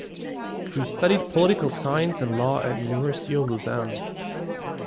He studied political science and law at the University of Lausanne.